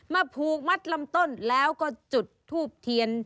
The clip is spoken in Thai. ผูกมัดลำต้นแล้วก็จุดทูบเทียน